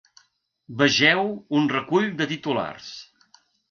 Vegeu un recull de titulars.